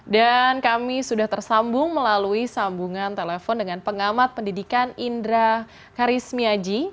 dan kami sudah tersambung melalui sambungan telepon dengan pengamat pendidikan indra karismiaji